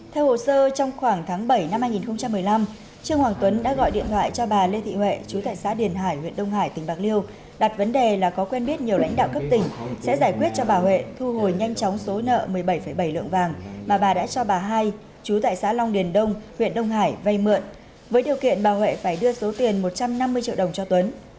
theo hồ sơ trong khoảng tháng bảy năm hai nghìn một mươi năm trương hoàng tuấn đã gọi điện thoại cho bà lê thị huệ chú tại xã điền hải huyện đông hải tỉnh bạc liêu đặt vấn đề là có quen biết nhiều lãnh đạo cấp tỉnh sẽ giải quyết cho bà huệ thu hồi nhanh chóng số nợ một mươi bảy bảy lượng vàng mà bà đã cho bà hai chú tại xã long điền đông huyện đông hải vây mượn với điều kiện bà huệ phải đưa số tiền một trăm năm mươi triệu đồng cho tuấn